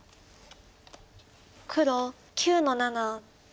黒９の七。